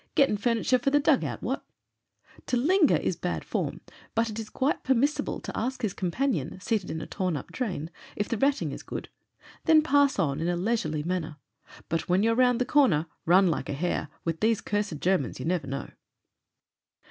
Getting furniture for the dug out — ^what ?" To linger is bad form, but it is quite permissible to ask his com panion — seated in a torn up drain — if the ratting is good. Then pass on in a leisurely manner, but — when you're round the comer, run like a hare: With these ctu'sed Germans, you never know.